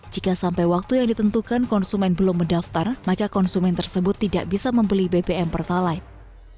jika sampai waktu yang ditentukan konsumen belum mendaftar maka konsumen tersebut tidak bisa membeli bbm pertalite